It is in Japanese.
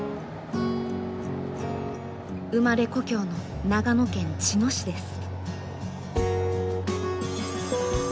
生まれ故郷の長野県茅野市です。